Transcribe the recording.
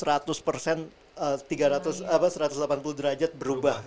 tiga ratus apa satu ratus delapan puluh derajat berubah